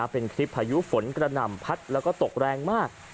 เป็นคลิปพายุฝนกระหน่ำพัดแล้วก็ตกแรงมาก